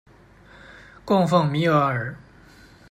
供奉弥额尔。